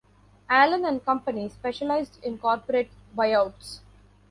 Allen and Company specialized in corporate buyouts.